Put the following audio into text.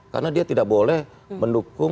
karena dia tidak boleh mendukung